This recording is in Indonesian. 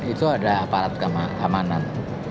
itu ada aparat keamanan